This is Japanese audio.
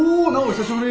久しぶり！